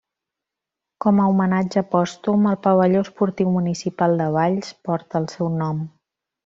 Com a homenatge pòstum, el pavelló esportiu municipal de Valls porta el seu nom.